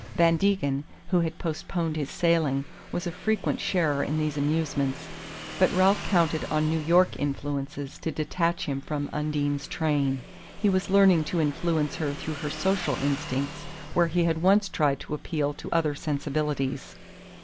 Van Degen, who had postponed his sailing, was a frequent sharer in these amusements; but Ralph counted on New York influences to detach him from Undine's train. He was learning to influence her through her social instincts where he had once tried to appeal to other sensibilities.